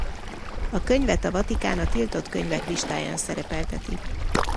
A könyvet a Vatikán a tiltott könyvek listáján szerepelteti.